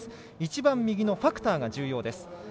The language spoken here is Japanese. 一番右のファクターが重要です。